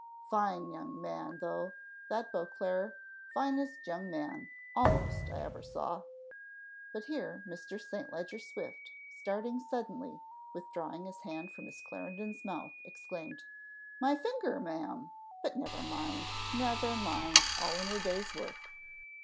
Fine young man, though, that Beauclerc finest young man, almost, I ever saw!" But here Mr. St. Leger Swift, starting suddenly, withdrawing his hand from Miss Clarendon's mouth, exclaimed, "My finger, ma'am! but never mind, never mind, all in the day's work.